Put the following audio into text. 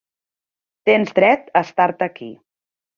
Tens dret a estar-te aquí.